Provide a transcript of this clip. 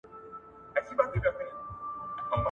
خو په جسماني توګه